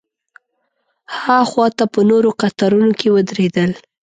ها خوا ته په نورو قطارونو کې ودرېدل.